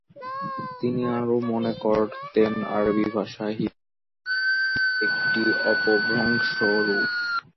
তিনি আরও মনে করতেন আরবি ভাষা হিব্রু ভাষার একটি অপভ্রংশ রূপ।